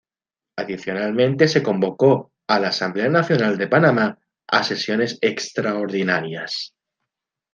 Adicionalmente se convocó a la Asamblea Nacional de Panamá a sesiones extraordinarias.